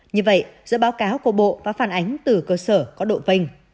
như vậy giữa báo cáo của bộ và phản ánh từ cơ sở có độ vây